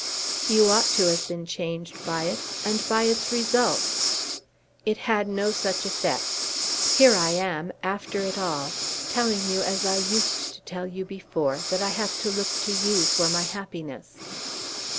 "You ought to have been changed by it, and by its result." "It had no such effect. Here I am, after it all, telling you as I used to tell you before, that I have to look to you for my happiness."